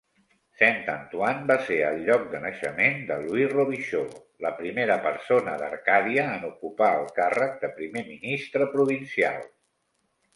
Saint-Antoine va ser el lloc de naixement de Louis Robichaud, la primera persona d'Arcàdia en ocupar el càrrec de primer ministre provincial.